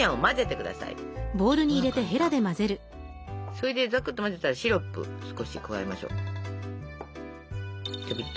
それでザクッと混ぜたらシロップを少し加えましょう。